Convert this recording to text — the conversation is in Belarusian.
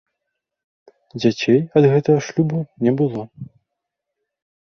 Дзяцей ад гэтага шлюбу не было.